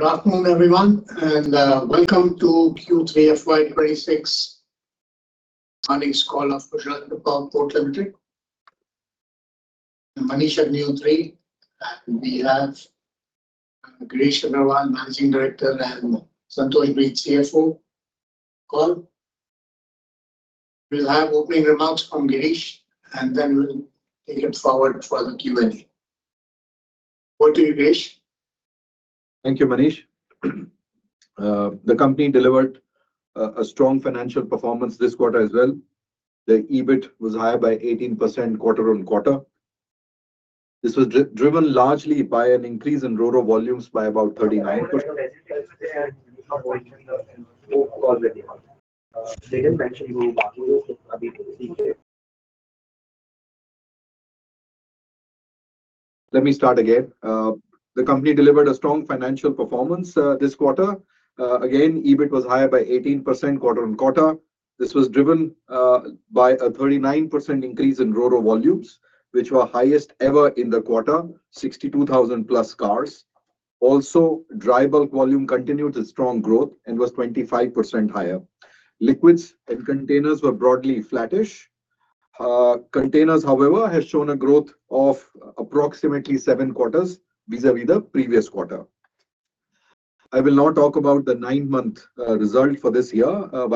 Good afternoon, everyone, and welcome to Q3 FY26 earnings call of Gujarat Pipavav Port Limited. I'm Manish Agnihotri, and we have Girish Aggarwal, Managing Director, and Santosh Breed, CFO, on call. We'll have opening remarks from Girish, and then we'll take it forward for the Q&A. Over to you, Girish. Thank you, Manish. The company delivered a strong financial performance this quarter as well. The EBIT was higher by 18% quarter-on-quarter. This was driven largely by an increase in RoRo volumes by about 39%. Let me start again. The company delivered a strong financial performance this quarter. Again, EBIT was higher by 18% quarter-on-quarter. This was driven by a 39% increase in RoRo volumes, which were highest ever in the quarter, +62,000 cars. Also, dry bulk volume continued its strong growth and was 25% higher. Liquids and containers were broadly flattish. Containers, however, have shown a growth of approximately seven quarters vis-à-vis the previous quarter. I will now talk about the nine month result for this year.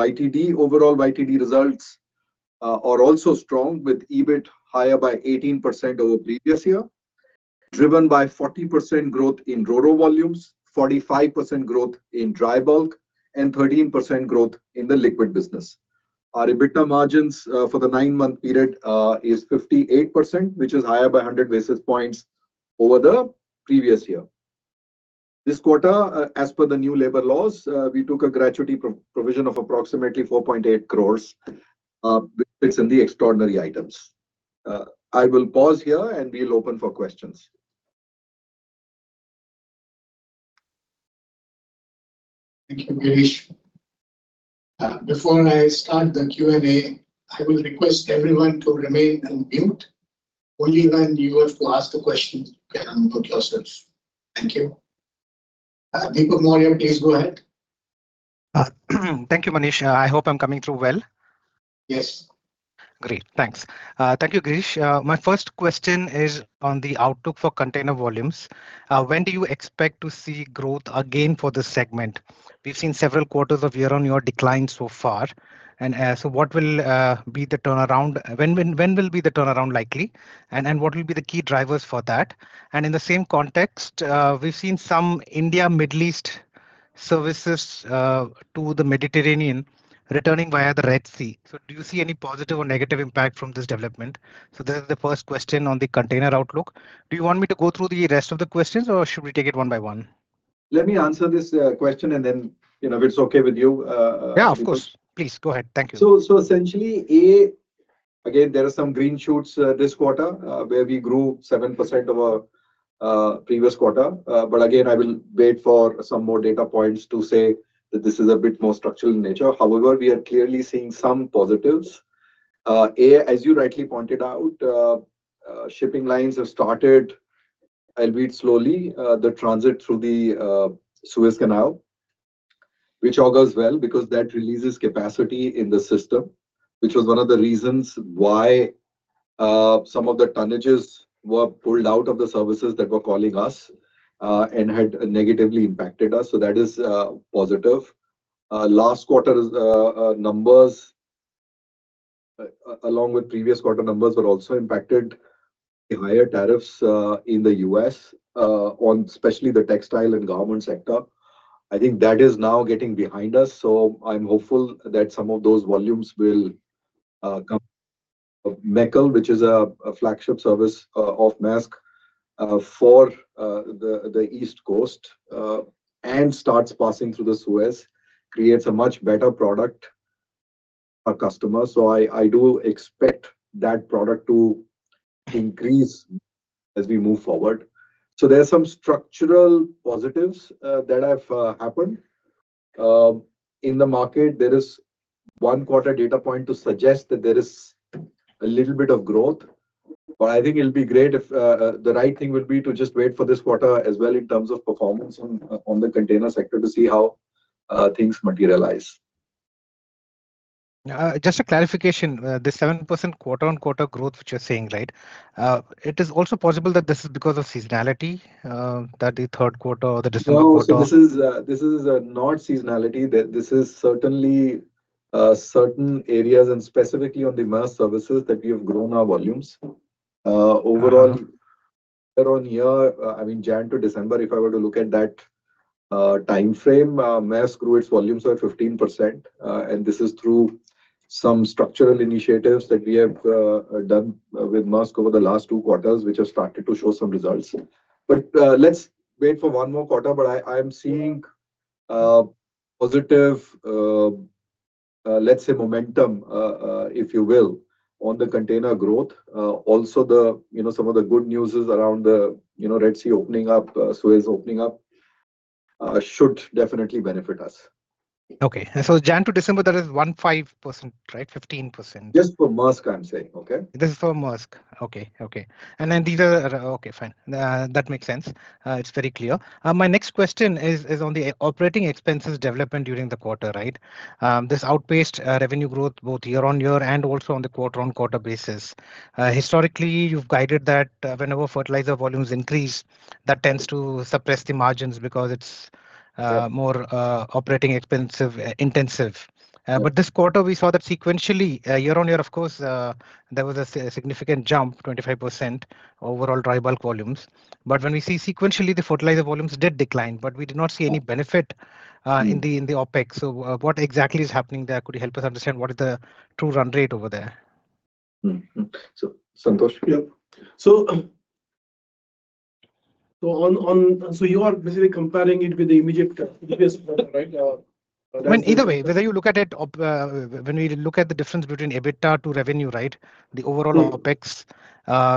YTD, overall YTD results are also strong, with EBIT higher by 18% over previous year, driven by 40% growth in RoRo volumes, 45% growth in dry bulk, and 13% growth in the liquid business. Our EBITDA margins for the 9-month period is 58%, which is higher by 100 basis points over the previous year. This quarter, as per the new labor laws, we took a gratuity provision of approximately 4.8 crores, which sits in the extraordinary items. I will pause here, and we'll open for questions. Thank you, Girish. Before I start the Q&A, I will request everyone to remain on mute. Only when you are to ask the question, you can unmute yourselves. Thank you. Deepak Mohan, please go ahead. Thank you, Manish. I hope I'm coming through well. Yes. Great, thanks. Thank you, Girish. My first question is on the outlook for container volumes. When do you expect to see growth again for this segment? We've seen several quarters of year-on-year decline so far, and so what will be the turnaround? When will be the turnaround likely, and what will be the key drivers for that? And in the same context, we've seen some India-Middle East services to the Mediterranean returning via the Red Sea. So do you see any positive or negative impact from this development? So this is the first question on the container outlook. Do you want me to go through the rest of the questions, or should we take it one by one? Let me answer this question, and then, you know, if it's okay with you. Yeah, of course. Please go ahead. Thank you. So essentially, again, there are some green shoots this quarter where we grew 7% over previous quarter. But again, I will wait for some more data points to say that this is a bit more structural in nature. However, we are clearly seeing some positives. As you rightly pointed out, shipping lines have started, albeit slowly, the transit through the Suez Canal, which all goes well because that releases capacity in the system, which was one of the reasons why some of the tonnages were pulled out of the services that were calling us and had negatively impacted us. So that is positive. Last quarter's numbers along with previous quarter numbers were also impacted by higher tariffs in the U.S. on especially the textile and garment sector. I think that is now getting behind us, so I'm hopeful that some of those volumes will come. MECL, which is a flagship service of Maersk for the East Coast and starts passing through the Suez, creates a much better product for customers. So I do expect that product to increase as we move forward. So there are some structural positives that have happened in the market. There is one quarter data point to suggest that there is a little bit of growth, but I think it'll be great if the right thing would be to just wait for this quarter as well, in terms of performance on the container sector, to see how things materialize. Just a clarification, the 7% quarter-on-quarter growth, which you're saying, right? It is also possible that this is because of seasonality, that the third quarter or the December quarter- No, so this is, this is not seasonality. This, this is certainly certain areas, and specifically on the Maersk services, that we have grown our volumes. Overall- Year-on-year, I mean, January to December, if I were to look at that timeframe, Maersk grew its volumes by 15%. And this is through some structural initiatives that we have done with Maersk over the last two quarters, which have started to show some results. But let's wait for one more quarter, but I am seeing positive, let's say, momentum, if you will, on the container growth. Also the, you know, some of the good news is around the, you know, Red Sea opening up, Suez opening up, should definitely benefit us. Okay, so January to December, that is 15%, right? 15%. Just for Maersk, I'm saying, okay? This is for Maersk. Okay, okay. And then these are—Okay, fine. That makes sense. It's very clear. My next question is on the operating expenses development during the quarter, right? This outpaced revenue growth both year-on-year and also on the quarter-on-quarter basis. Historically, you've guided that whenever fertilizer volumes increase, that tends to suppress the margins because it's— Yeah More operating expense intensive. Yeah. But this quarter, we saw that sequentially, year on year, of course, there was a significant jump, 25% overall Dry Bulk volumes. But when we see sequentially, the fertilizer volumes did decline, but we did not see any benefit- in the OpEx. So, what exactly is happening there? Could you help us understand what is the true run rate over there? So, Santosh? Yeah. So, you are basically comparing it with the immediate previous quarter, right? Well, either way, whether you look at it, when we look at the difference between EBITDA to revenue, right? The overall OpEx,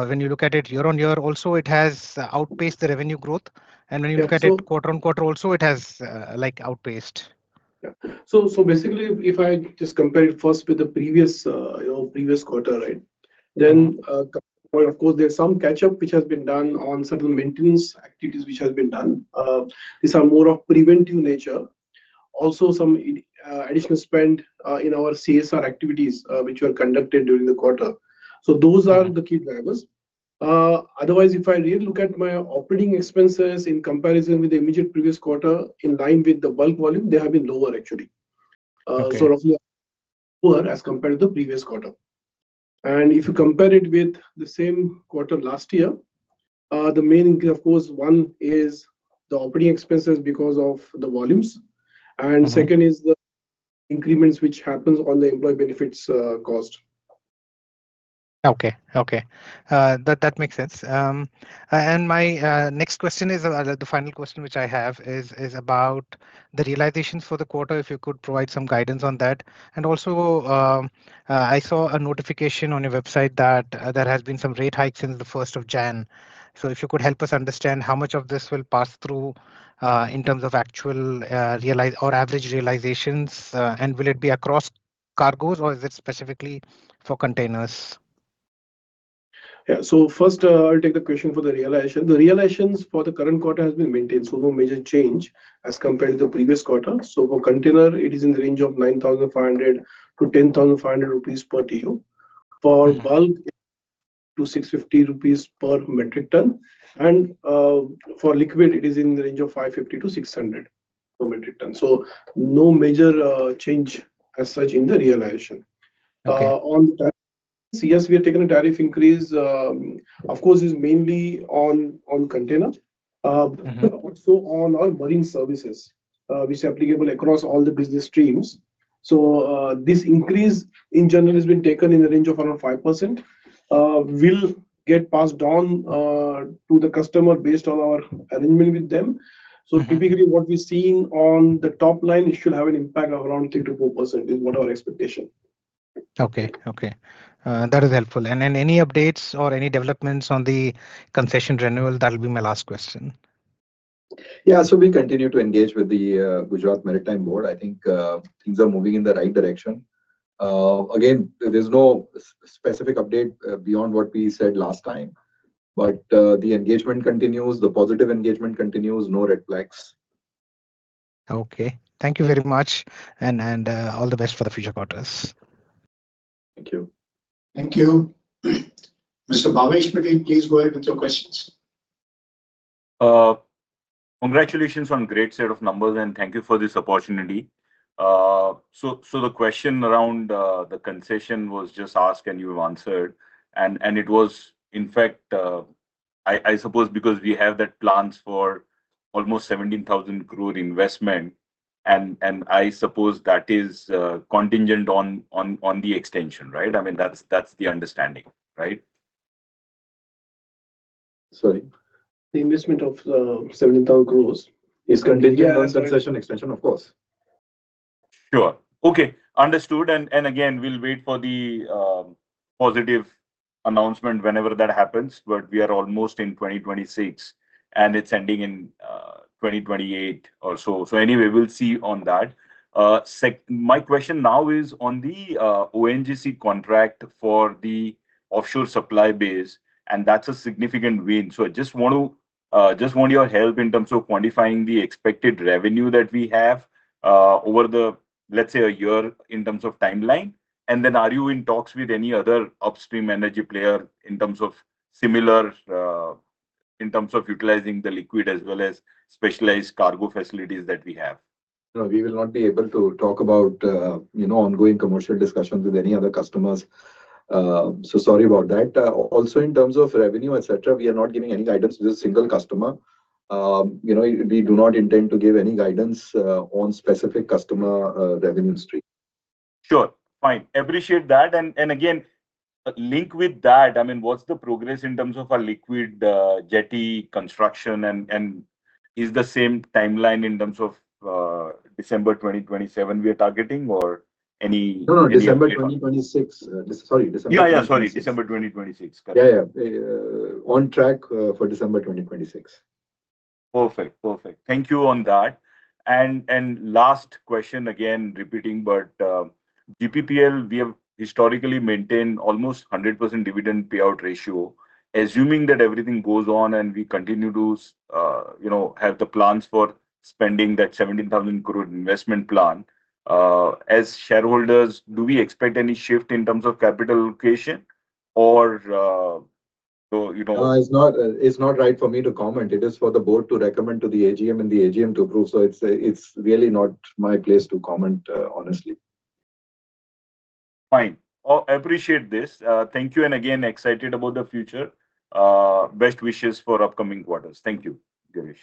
when you look at it year-on-year, also it has outpaced the revenue growth. Yeah. So- When you look at it quarter-on-quarter, also, it has, like, outpaced. Yeah. So, basically, if I just compare it first with the previous, you know, previous quarter, right? Well, of course, there's some catch-up, which has been done on certain maintenance activities, which has been done. These are more of preventive nature. Also, some additional spend in our CSR activities, which were conducted during the quarter. So those are the key drivers. Otherwise, if I really look at my operating expenses in comparison with the immediate previous quarter, in line with the bulk volume, they have been lower, actually. Okay. So roughly lower as compared to the previous quarter. And if you compare it with the same quarter last year, the main, of course, one is the operating expenses because of the volumes. Second is the increments, which happens on the employee benefits, cost. Okay, okay. That, that makes sense. And my next question is, the final question, which I have, is, is about the realizations for the quarter, if you could provide some guidance on that. And also, I saw a notification on your website that there has been some rate hikes since the first of January. So if you could help us understand how much of this will pass through in terms of actual realize- or average realizations, and will it be across cargoes, or is it specifically for containers? Yeah. So first, I'll take the question for the realization. The realizations for the current quarter has been maintained, so no major change as compared to the previous quarter. So for container, it is in the range of 9,500-10,500 rupees per TEU. For bulk, 260-650 rupees per metric ton, and for liquid, it is in the range of 550-600 per metric ton. So no major change as such in the realization. Okay. On that, yes, we have taken a tariff increase, of course, is mainly on container. so on our marine services, which are applicable across all the business streams. So, this increase in general has been taken in the range of around 5%. Will get passed on, to the customer based on our arrangement with them. Typically, what we're seeing on the top line, it should have an impact of around 3%-4%, is what our expectation. Okay, okay. That is helpful. And then any updates or any developments on the concession renewal? That'll be my last question. Yeah. So we continue to engage with the Gujarat Maritime Board. I think things are moving in the right direction. Again, there's no specific update beyond what we said last time, but the engagement continues, the positive engagement continues. No red flags. Okay. Thank you very much, and all the best for the future quarters. Thank you. Thank you. Mr. Bhavesh Patel, please go ahead with your questions. Congratulations on great set of numbers, and thank you for this opportunity. So, so the question around, the concession was just asked, and you answered, and, and it was, in fact, I, I suppose because we have that plans for almost 17,000 crore investment, and, and I suppose that is, contingent on, on, on the extension, right? I mean, that's, that's the understanding, right? Sorry, the investment of 17,000 crore is contingent- Yeah on concession extension, of course. Sure. Okay, understood. And, and again, we'll wait for the positive announcement whenever that happens, but we are almost in 2026, and it's ending in 2028 or so. So anyway, we'll see on that. My question now is on the ONGC contract for the offshore supply base, and that's a significant win. So I just want to just want your help in terms of quantifying the expected revenue that we have over the, let's say, a year in terms of timeline. And then, are you in talks with any other upstream energy player in terms of similar, in terms of utilizing the liquid as well as specialized cargo facilities that we have? No, we will not be able to talk about, you know, ongoing commercial discussions with any other customers. So sorry about that. Also, in terms of revenue, et cetera, we are not giving any guidance to the single customer. You know, we do not intend to give any guidance on specific customer, revenue stream. Sure, fine. Appreciate that. And again, link with that, I mean, what's the progress in terms of a liquid jetty construction? And is the same timeline in terms of December 2027 we are targeting or? No, no, December 2026. Sorry, December- Yeah, yeah, sorry, December 2026. Correct. Yeah, yeah, on track for December 2026. Perfect. Perfect. Thank you on that. And last question again, repeating, but, GPPL, we have historically maintained almost 100% dividend payout ratio. Assuming that everything goes on and we continue to, you know, have the plans for spending that 17,000 crore investment plan, as shareholders, do we expect any shift in terms of capital allocation or, so, you know- It's not, it's not right for me to comment. It is for the board to recommend to the AGM and the AGM to approve. So it's, it's really not my place to comment, honestly. Fine. I appreciate this. Thank you, and again, excited about the future. Best wishes for upcoming quarters. Thank you, Girish.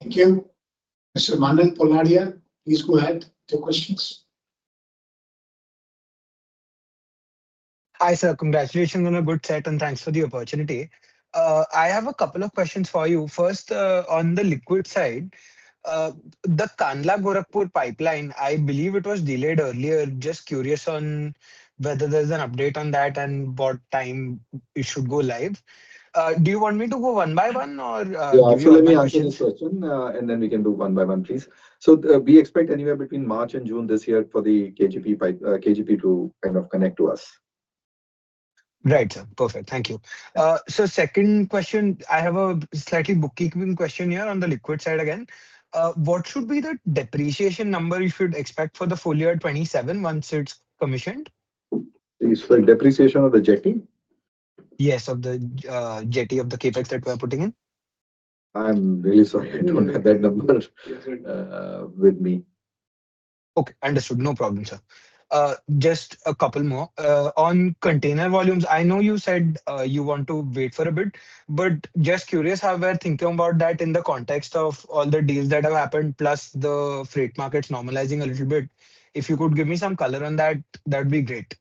Thank you. Mr. Manan Poladia, please go ahead with your questions. Hi, sir. Congratulations on a good set, and thanks for the opportunity. I have a couple of questions for you. First, on the liquid side, the Kandla Gorakhpur Pipeline, I believe it was delayed earlier. Just curious on whether there's an update on that and what time it should go live. Do you want me to go one by one or, Yeah, absolutely, and then we can do one by one, please. So, we expect anywhere between March and June this year for the KGP to kind of connect to us. Right, sir. Perfect. Thank you. So second question, I have a slightly bookkeeping question here on the liquid side again. What should be the depreciation number you should expect for the full year at 27 once it's commissioned? It's for depreciation of the jetty? Yes, of the jetty, of the CapEx that we're putting in. I'm really sorry. I don't have that number with me. Okay, understood. No problem, sir. Just a couple more. On container volumes, I know you said you want to wait for a bit, but just curious how we're thinking about that in the context of all the deals that have happened, plus the freight markets normalizing a little bit. If you could give me some color on that, that'd be great.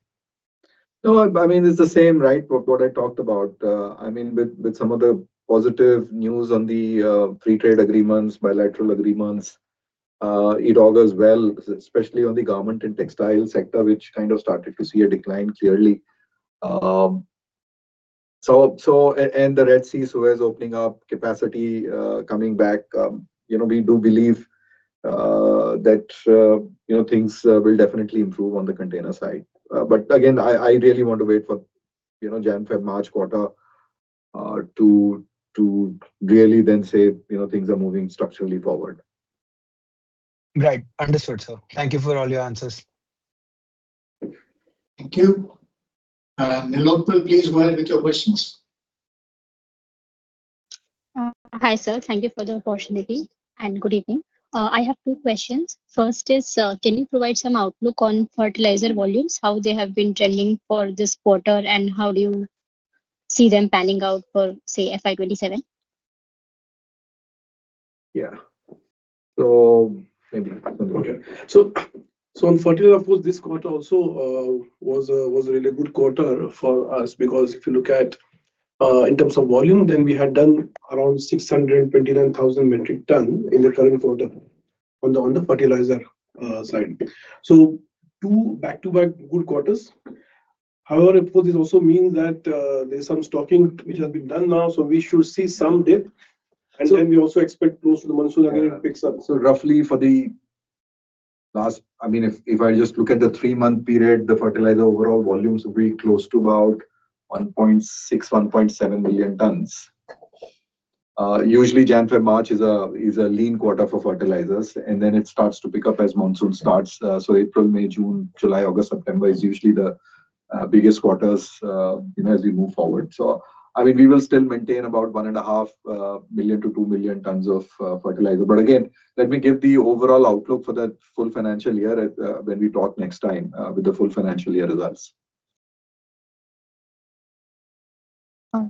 No, I mean, it's the same, right? What I talked about. I mean, with some of the positive news on the free trade agreements, bilateral agreements, it all goes well, especially on the garment and textile sector, which kind of started to see a decline, clearly. So, and the Red Sea, Suez opening up, capacity coming back, you know, we do believe that you know, things will definitely improve on the container side. But again, I really want to wait for, you know, January, February, March quarter, to really then say, you know, things are moving structurally forward. Right. Understood, sir. Thank you for all your answers. Thank you. Nilotpal, please go ahead with your questions. Hi, sir. Thank you for the opportunity, and good evening. I have two questions. First is, can you provide some outlook on fertilizer volumes, how they have been trending for this quarter, and how do you see them panning out for, say, FY27? Yeah. So on fertilizer, of course, this quarter also was a really good quarter for us because if you look at in terms of volume, then we had done around 629,000 metric tons in the current quarter on the fertilizer side. So two back-to-back good quarters. However, of course, this also means that there's some stocking which has been done now, so we should see some dip. And then we also expect close to the monsoon, again, it picks up. So roughly for the last I mean, if I just look at the three-month period, the fertilizer overall volumes will be close to about 1.6-1.7 million tons. Usually, January, February, March is a lean quarter for fertilizers, and then it starts to pick up as monsoon starts. So, April, May, June, July, August, September is usually the biggest quarters, you know, as we move forward. So, I mean, we will still maintain about 1.5 million-2 million tons of fertilizer. But again, let me give the overall outlook for that full financial year at when we talk next time with the full financial year results.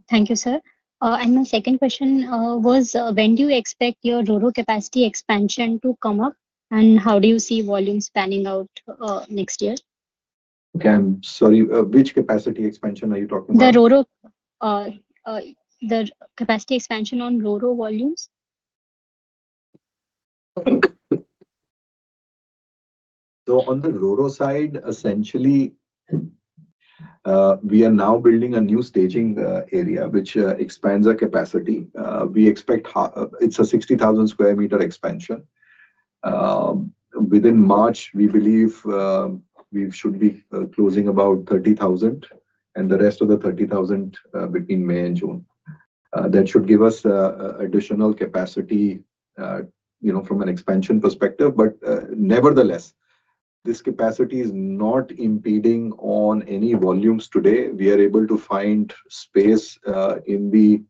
Thank you, sir. My second question was: When do you expect your RoRo capacity expansion to come up, and how do you see volumes panning out next year? Okay, I'm sorry, which capacity expansion are you talking about? The Ro-Ro, the capacity expansion on Ro-Ro volumes. So on the ro-ro side, essentially, we are now building a new staging area, which expands our capacity. We expect it's a 60,000 square meter expansion. Within March, we believe, we should be closing about 30,000, and the rest of the 30,000, between May and June. That should give us additional capacity, you know, from an expansion perspective. But, nevertheless, this capacity is not impeding on any volumes today. We are able to find space in the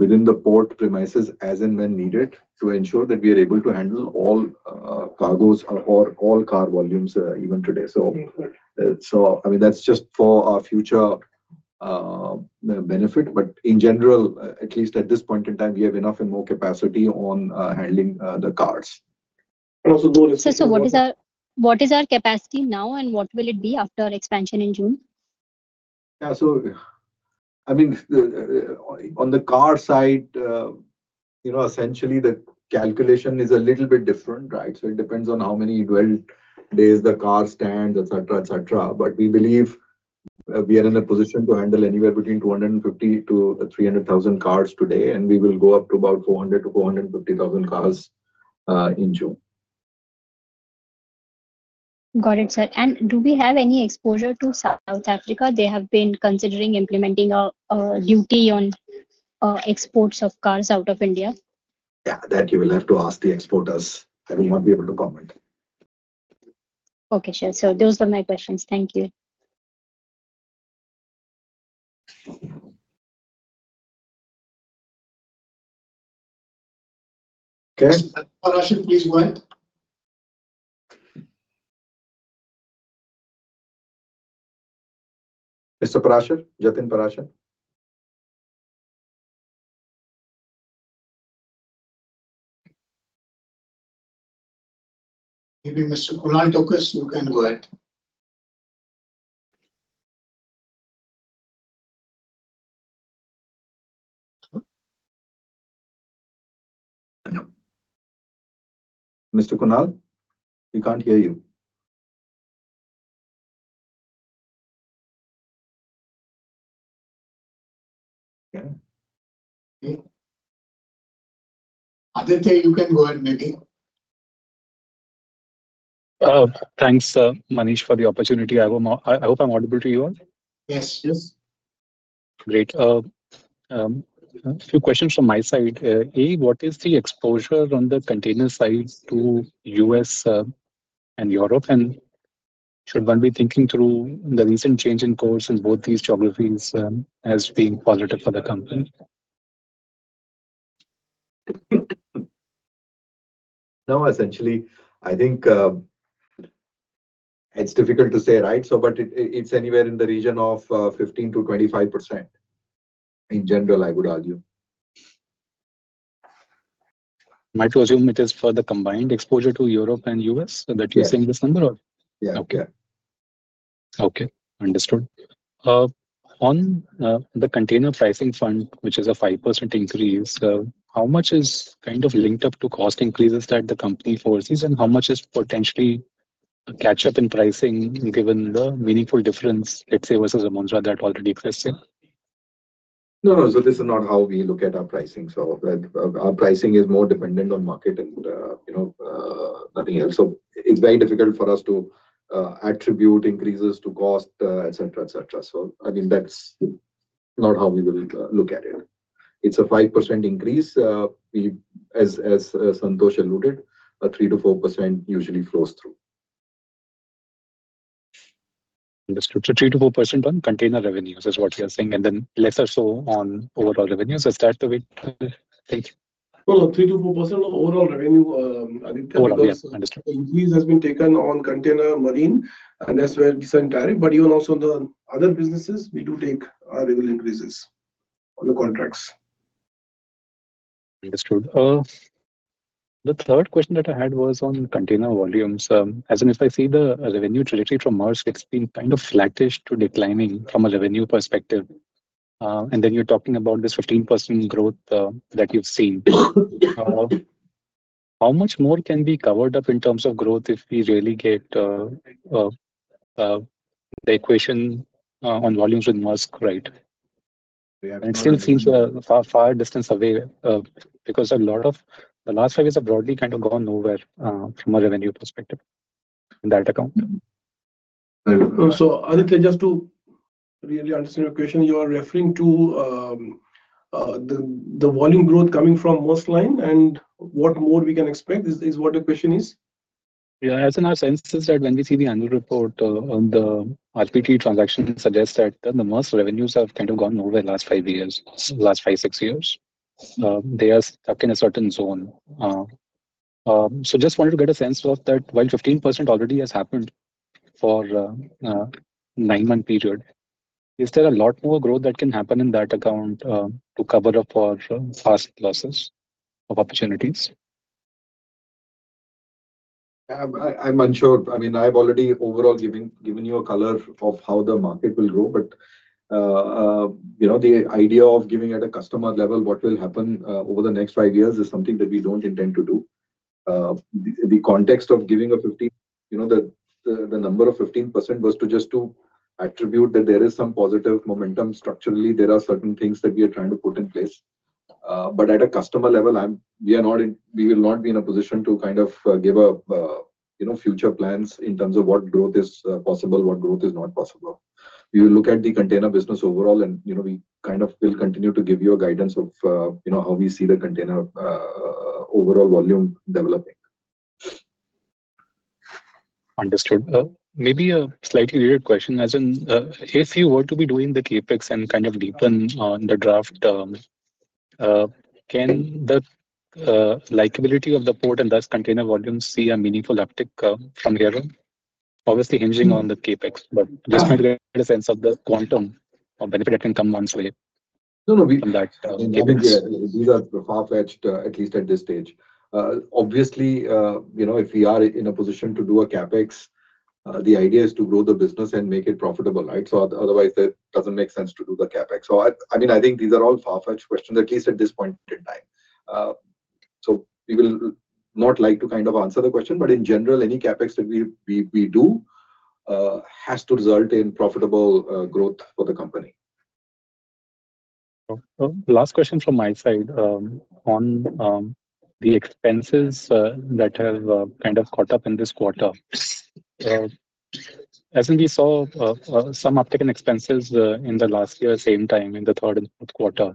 within the port premises, as and when needed, to ensure that we are able to handle all cargoes or all car volumes, even today, so- Okay. So I mean, that's just for our future benefit. But in general, at least at this point in time, we have enough and more capacity on handling the cars. And also- What is our capacity now, and what will it be after expansion in June? .Yeah, so, I mean, the, on the car side, you know, essentially the calculation is a little bit different, right? So it depends on how many dwell days the car stands, et cetera, et cetera. But we believe, we are in a position to handle anywhere between 250 to 300,000 cars today, and we will go up to about 400,000 to 450,000 cars, in June. Got it, sir. Do we have any exposure to South Africa? They have been considering implementing a duty on exports of cars out of India. Yeah, that you will have to ask the exporters. I will not be able to comment. Okay, sure. So those were my questions. Thank you. Okay. Parashar, please go ahead. Mr. Parashar? Jatin Parashar. Maybe Mr. Kunal Tokas, you can go ahead. Hello. Mr. Kunal, we can't hear you. Yeah. Okay. Aditya, you can go ahead, maybe. Thanks, Manish, for the opportunity. I hope I'm audible to you all. Yes. Yes. Great. A few questions from my side. A, what is the exposure on the container side to U.S. and Europe? And should one be thinking through the recent change in course in both these geographies, as being positive for the company? No, essentially, I think, it's difficult to say, right? So, but it, it's anywhere in the region of 15%-25%, in general, I would argue. Am I to assume it is for the combined exposure to Europe and U.S., that- Yes. You are saying this number or? Yeah. Yeah. Okay. Okay, understood. On the container pricing front, which is a 5% increase, how much is kind of linked up to cost increases that the company foresees, and how much is potentially a catch-up in pricing, given the meaningful difference, let's say, versus the months that already existed? No, so this is not how we look at our pricing. So, like, our pricing is more dependent on market and, you know, nothing else. So it's very difficult for us to attribute increases to cost, et cetera, et cetera. So, I mean, that's not how we will look at it. It's a 5% increase. We, as Santosh alluded, a 3%-4% usually flows through. Understood. So 3%-4% on container revenues, is what you are saying, and then lesser so on overall revenues. Is that the way? Thank you. Well, 3%-4% on overall revenue, I think- Overall, yes. Understood. Increase has been taken on container marine, and that's where it is entire. But even also the other businesses, we do take regular increases on the contracts. Understood. The third question that I had was on container volumes. As in, if I see the revenue trajectory from Maersk, it's been kind of flattish to declining from a revenue perspective. And then you're talking about this 15% growth that you've seen. How much more can be covered up in terms of growth if we really get the equation on volumes with Maersk, right? Yeah. It still seems a far, far distance away, because a lot of the last five years have broadly kind of gone nowhere, from a revenue perspective in that account. I... So, Aditya, just to really understand your question, you are referring to the volume growth coming from Maersk Line, and what more we can expect, is what the question is? Yeah. As in our sense is that when we see the annual report, on the RPT transaction, suggests that the Maersk revenues have kind of gone nowhere the last five years, last five, six years. They are stuck in a certain zone. So just wanted to get a sense of that, while 15% already has happened for, nine month period, is there a lot more growth that can happen in that account, to cover up for fast losses of opportunities? I'm unsure. I mean, I've already overall given you a color of how the market will grow, but you know, the idea of giving at a customer level what will happen over the next five years is something that we don't intend to do. The context of giving a 15, you know, the number of 15% was just to attribute that there is some positive momentum. Structurally, there are certain things that we are trying to put in place, but at a customer level, we will not be in a position to kind of give a you know future plans in terms of what growth is possible, what growth is not possible. We will look at the container business overall, and, you know, we kind of will continue to give you a guidance of, you know, how we see the container overall volume developing. Understood. Maybe a slightly related question, as in, if you were to be doing the CapEx and kind of deepen on the draft, can the likability of the port and thus container volumes see a meaningful uptick from here on? Obviously, hinging on the CapEx- Uh... Just to get a sense of the quantum of benefit that can come one's way. No, no, we, these are far-fetched, at least at this stage. Obviously, you know, if we are in a position to do a CapEx, the idea is to grow the business and make it profitable, right? So otherwise, that doesn't make sense to do the CapEx. So I mean, I think these are all far-fetched questions, at least at this point in time. So we will not like to kind of answer the question, but in general, any CapEx that we do, has to result in profitable growth for the company. Okay. Last question from my side. On the expenses that have kind of caught up in this quarter. As we saw, some uptick in expenses in the last year, same time, in the third and fourth quarter,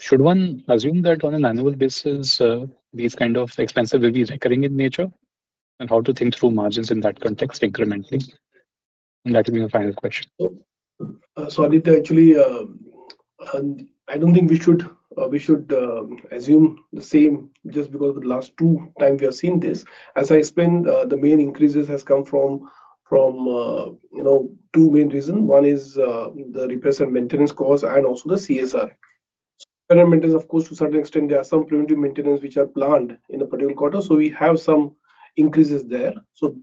should one assume that on an annual basis these kind of expenses will be recurring in nature? And how to think through margins in that context incrementally. And that will be my final question. So, Aditya, actually, I don't think we should assume the same just because the last two times we have seen this. As I explained, the main increases has come from, you know, two main reasons. One is the repairs and maintenance costs, and also the CSR. Repairs and maintenance, of course, to a certain extent, there are some preventive maintenance which are planned in a particular quarter, so we have some increases there. So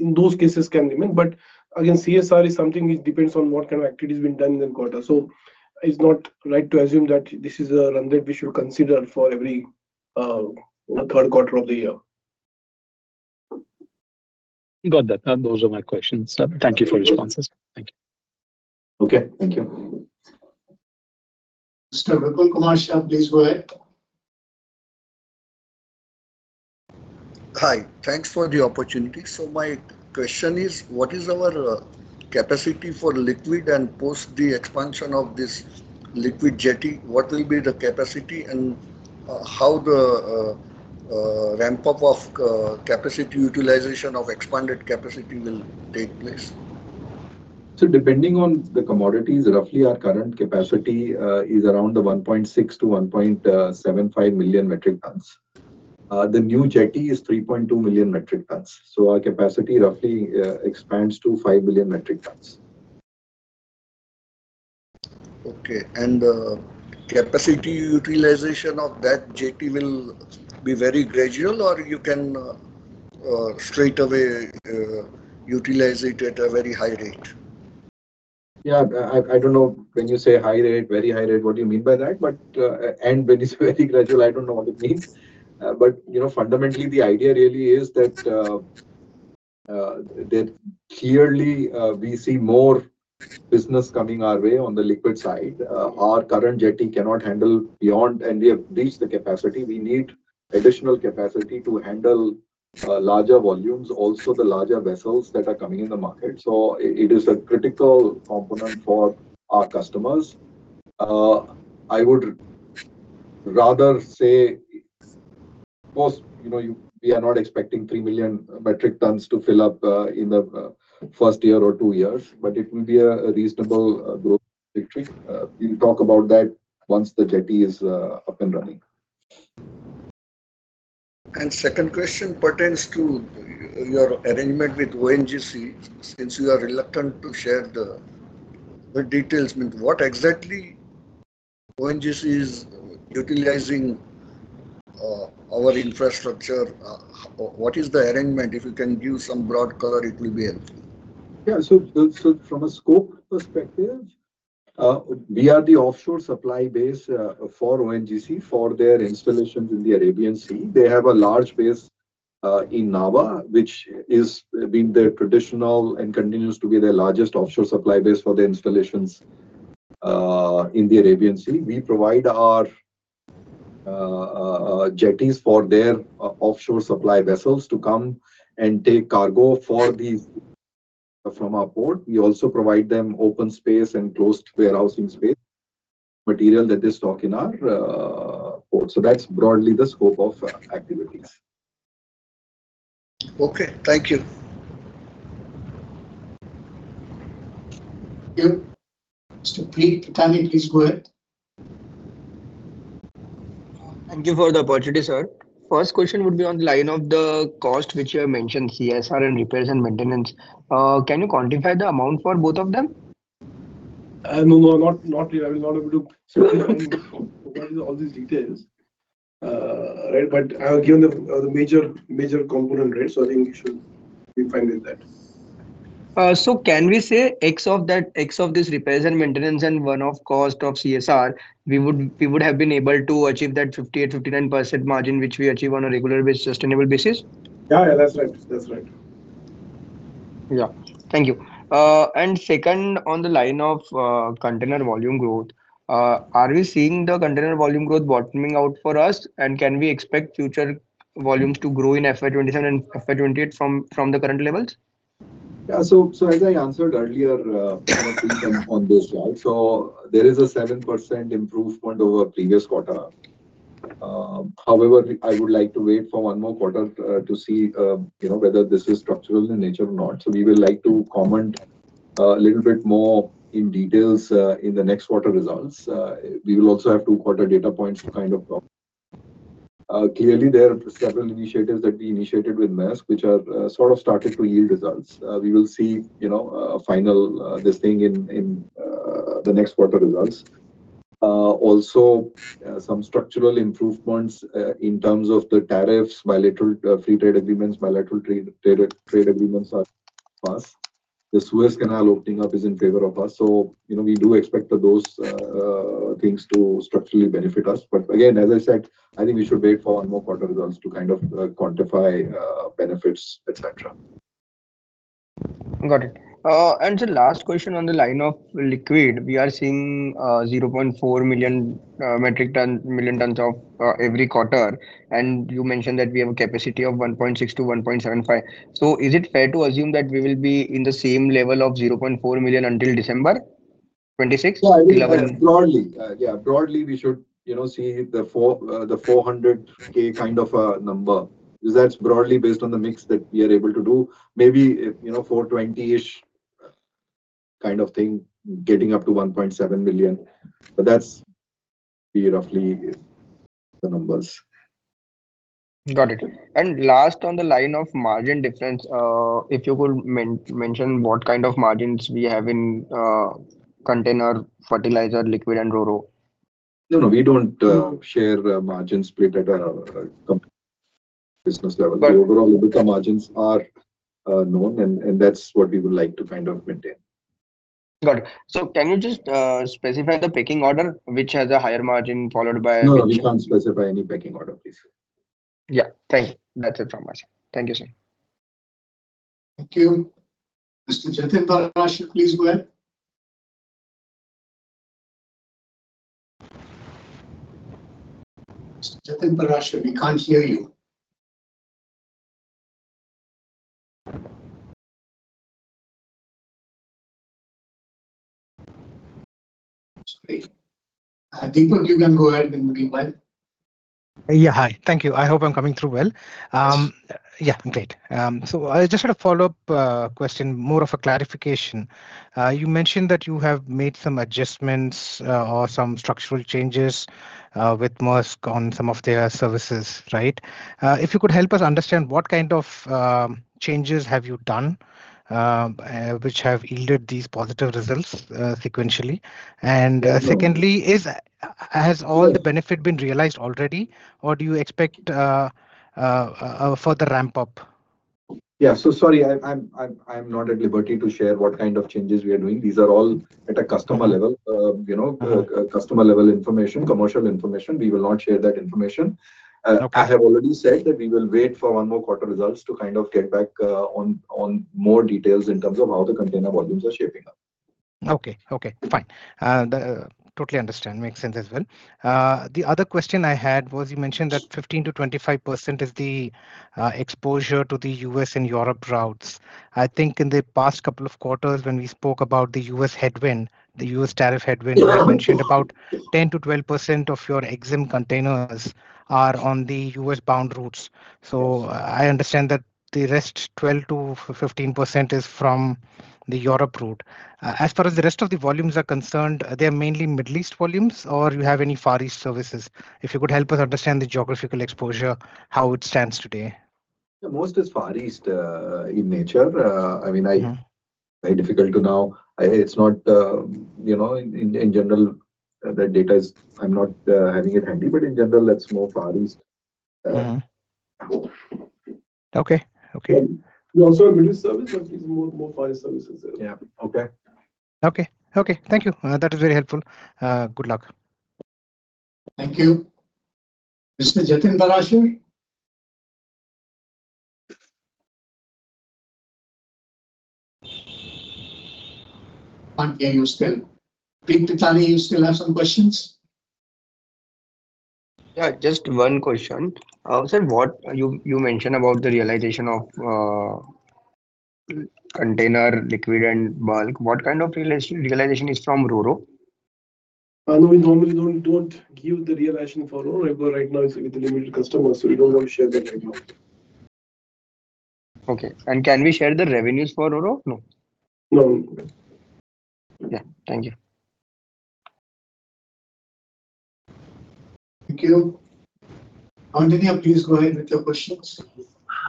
in those cases can remain. But again, CSR is something which depends on what kind of activity has been done in the quarter. So it's not right to assume that this is a trend that we should consider for every third quarter of the year. Got that. Those are my questions. Thank you for your responses. Thank you. Okay, thank you. Mr. Raghu Kumar Sharma, please go ahead. Hi, thanks for the opportunity. So my question is: What is our capacity for liquid and post the expansion of this liquid jetty, what will be the capacity, and how the ramp-up of capacity utilization of expanded capacity will take place? So depending on the commodities, roughly our current capacity is around 1.6-1.75 million metric tons. The new jetty is 3.2 million metric tons, so our capacity roughly expands to 5 million metric tons. Okay, and the capacity utilization of that jetty will be very gradual, or you can straight away utilize it at a very high rate? Yeah, I don't know when you say high rate, very high rate, what do you mean by that? And when you say very gradual, I don't know what it means. But, you know, fundamentally, the idea really is that that clearly we see more business coming our way on the liquid side. Our current jetty cannot handle beyond, and we have reached the capacity. We need additional capacity to handle larger volumes, also the larger vessels that are coming in the market, so it is a critical component for our customers. I would rather say, of course, you know, we are not expecting 3 million metric tons to fill up in the first year or two years, but it will be a reasonable growth trajectory. We'll talk about that once the jetty is up and running. Second question pertains to your arrangement with ONGC, since you are reluctant to share the details. I mean, what exactly ONGC is utilizing our infrastructure, what is the arrangement? If you can give some broad color, it will be helpful. Yeah, so from a scope perspective, we are the offshore supply base for ONGC, for their installations in the Arabian Sea. They have a large base in Nhava, which is been their traditional and continues to be their largest offshore supply base for the installations in the Arabian Sea. We provide our jetties for their offshore supply vessels to come and take cargo for these from our port. We also provide them open space and closed warehousing space, material that is stock in our port. So that's broadly the scope of our activities. Okay, thank you. Thank you. Mr. Preet Patani, please go ahead. Thank you for the opportunity, sir. First question would be on the line of the cost, which you have mentioned, CSR and repairs and maintenance. Can you quantify the amount for both of them? No, no, not really. I will not be able to share all these details, right? But I have given the, the major, major component, right? So I think you should be fine with that. Can we say X of that, X of this repairs and maintenance and one-off cost of CSR, we would have been able to achieve that 58%-59% margin, which we achieve on a regular basis, sustainable basis? Yeah, yeah, that's right. That's right. Yeah. Thank you. And second, on the line of container volume growth, are we seeing the container volume growth bottoming out for us? And can we expect future volumes to grow in FY 2027 and FY 2028 from the current levels? Yeah, so as I answered earlier, on this slide, there is a 7% improvement over previous quarter. However, I would like to wait for one more quarter to see you know whether this is structural in nature or not. We will like to comment a little bit more in details in the next quarter results. We will also have two quarter data points to kind of talk. Clearly there are several initiatives that we initiated with Maersk, which are sort of starting to yield results. We will see you know final this thing in the next quarter results. Also some structural improvements in terms of the tariffs, bilateral free trade agreements, bilateral trade, trade, trade agreements are for us. The Suez Canal opening up is in favor of us, so, you know, we do expect those things to structurally benefit us. But again, as I said, I think we should wait for one more quarter results to kind of quantify benefits, et cetera. Got it. And the last question on the line of liquid, we are seeing 0.4 million metric ton million tons of every quarter, and you mentioned that we have a capacity of 1.6-1.75. So is it fair to assume that we will be in the same level of 0.4 million until December 2026? Yeah, I think broadly. Yeah, broadly, we should, you know, see the 400,000 kind of number. Because that's broadly based on the mix that we are able to do. Maybe, you know, 420-ish kind of thing, getting up to 1.7 million, but that'll be roughly the numbers. Got it. Last, on the line of margin difference, if you could mention what kind of margins we have in container, fertilizer, liquid, and RoRo? No, no, we don't share margins split at a business level. Got it. The overall EBITDA margins are known, and that's what we would like to kind of maintain. Got it. So can you just specify the pecking order, which has a higher margin followed by- No, we can't specify any pecking order, please. Yeah. Thank you. That's it from my side. Thank you, sir. Thank you. Mr. Jatin Parashar, please go ahead. Mr. Jatin Parashar, we can't hear you. Sorry. Deepak, you can go ahead and begin well. Yeah, hi. Thank you. I hope I'm coming through well. Yeah, great. So, just sort of follow-up question, more of a clarification. You mentioned that you have made some adjustments or some structural changes with Maersk on some of their services, right? If you could help us understand what kind of changes have you done, which have yielded these positive results sequentially? Sure. Secondly, has all the benefit been realized already, or do you expect a further ramp up? Yeah. So sorry, I'm not at liberty to share what kind of changes we are doing. These are all at a customer level, you know, customer-level information, commercial information. We will not share that information. Okay. I have already said that we will wait for one more quarter results to kind of get back on more details in terms of how the container volumes are shaping up. Okay, okay, fine. Totally understand. Makes sense as well. The other question I had was, you mentioned that 15%-25% is the exposure to the U.S. and Europe routes. I think in the past couple of quarters when we spoke about the U.S. headwind, the U.S. tariff headwind- Yeah... you had mentioned about 10%-12% of your exim containers are on the U.S.-bound routes. So I understand that the rest, 12%-15%, is from the Europe route. As far as the rest of the volumes are concerned, are they mainly Middle East volumes, or you have any Far East services? If you could help us understand the geographical exposure, how it stands today. Yeah, most is Far East in nature. I mean, I- Very difficult to know. It's not... You know, in general, the data is. I'm not having it handy, but in general, that's more Far East.Okay, okay. We also have Middle East service, but it's more, more Far East services. Yeah. Okay. Okay, okay. Thank you. That is very helpful. Good luck. Thank you. Mr. Jatin Parashar? Can't hear you still. Preet Patani, you still have some questions? Yeah, just one question. Sir, what... You mentioned about the realization of container, liquid, and bulk. What kind of realization is from RoRo? No, we normally don't give the realization for RoRo. Right now, it's with a limited customer, so we don't want to share that right now. Okay. And can we share the revenues for RoRo? No. No. Yeah. Thank you. Thank you. Mandaliya, please go ahead with your questions.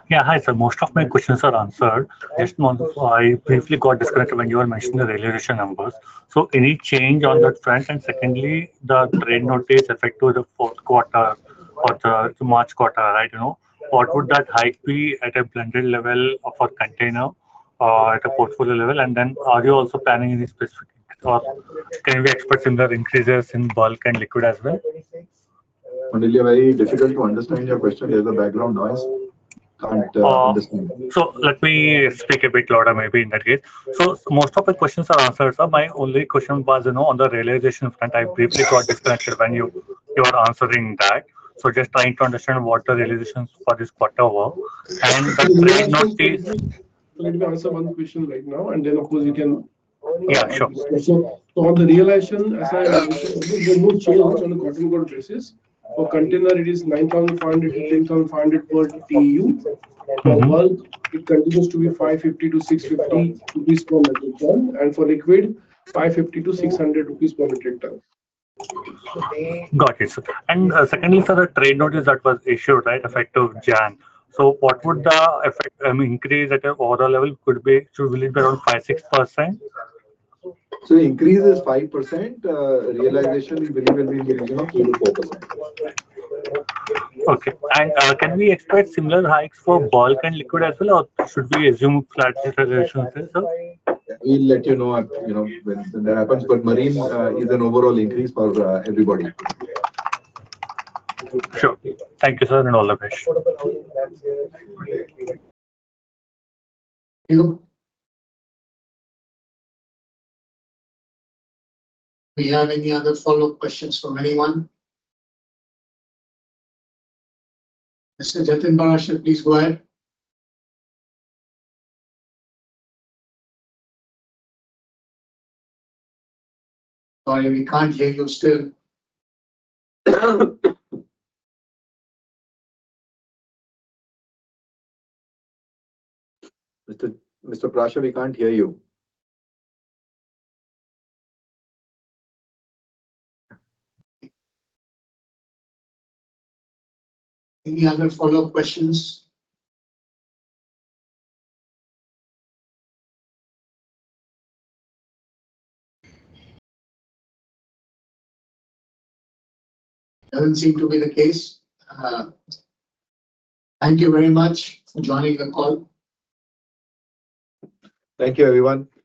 Yeah, hi, sir. Most of my questions are answered. Just one, I briefly got distracted when you were mentioning the realization numbers. So any change on that front? And secondly, the trade notice effect to the fourth quarter or the, to March quarter, right, you know? What would that hike be at a blended level of a container, at a portfolio level? And then, are you also planning any specific, or can we expect similar increases in bulk and liquid as well? Mandilya, very difficult to understand your question. There's a background noise. Can't understand. So let me speak a bit louder maybe in that case. So most of the questions are answered, sir. My only question was, you know, on the realization front, I briefly got distracted when you were answering that. So just trying to understand what the realizations for this quarter were, and the trade notice- Let me answer one question right now, and then, of course, you can- Yeah, sure. On the realization, as I... There's no change on a quarter-over-quarter basis. For container, it is 9,500-10,500 per TEU. For bulk, it continues to be 550-650 rupees per metric ton, and for liquid, 550-600 rupees per metric ton. Got it, sir. And, secondly, sir, the trade notice that was issued, right, effective January. So, what would the effect increase at an overall level could be? Should be around 5%-6%? The increase is 5%. Realization, we believe, will be, you know, 3%-4%. Okay. Can we expect similar hikes for bulk and liquid as well, or should we assume flat realization for this, sir? We'll let you know, you know, when that happens, but marine is an overall increase for everybody. Sure. Thank you, sir, and all the best. Thank you. Do you have any other follow-up questions from anyone? Mr. Jatin Parashar, please go ahead. Sorry, we can't hear you still. Mr. Parashar, we can't hear you. Any other follow-up questions? Doesn't seem to be the case. Thank you very much for joining the call. Thank you, everyone. Thank you.